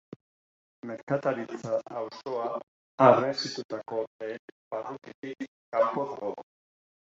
Merkataritza auzoa harresitutako lehen barrutitik kanpo dago.